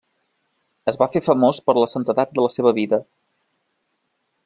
Es va fer famós per la santedat de la seva vida.